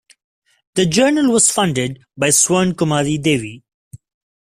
The journal was funded by Swarnakumari Devi.